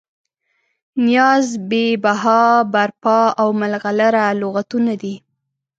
نیاز، بې بها، برپا او ملغلره لغتونه دي.